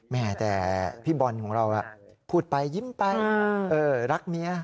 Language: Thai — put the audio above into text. แม่แต่พี่บอลของเราพูดไปยิ้มไปรักเมีย